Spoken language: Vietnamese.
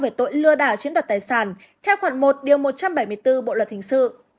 về tội lừa đảo chiếm đoạt tài sản theo khoản một một trăm bảy mươi bốn bộ luật hình sự